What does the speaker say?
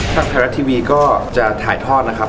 ทางไทยรัฐทีวีก็จะถ่ายทอดนะครับ